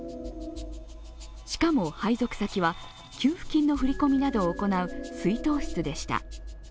しかも配属先は、給付金の振り込みなどを行う出納室でした。